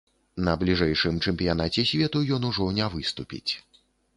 На бліжэйшым чэмпіянаце свету ён ужо не выступіць.